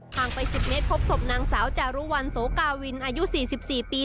งไป๑๐เมตรพบศพนางสาวจารุวัลโสกาวินอายุ๔๔ปี